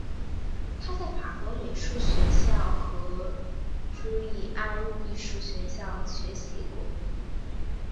他在法国美术学校和朱利安艺术学校学习过。